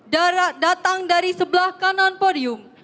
darat datang dari sebelah kanan podium